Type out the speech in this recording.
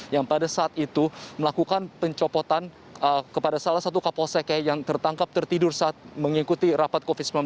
yang pada saat itu melakukan pencopotan kepada salah satu kapolsek yang tertangkap tertidur saat mengikuti rapat covid sembilan belas